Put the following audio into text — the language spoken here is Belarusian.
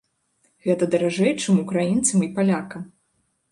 Гэта даражэй, чым украінцам і палякам.